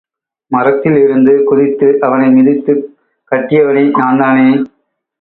மரத்தில் இருந்து குதித்து, அவனை மிதித்துக் கட்டியவனே நான்தானே?